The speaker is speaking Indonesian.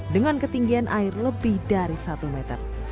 dengan ketinggian air lebih dari satu meter